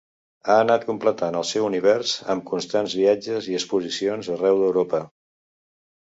Ha anat completant el seu univers amb constants viatges i exposicions arreu d'Europa.